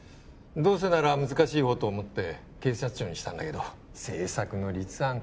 どうせなら難しい方をと思って警察庁にしたんだけど政策の立案